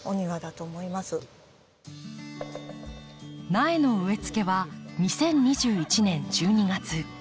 苗の植えつけは２０２１年１２月。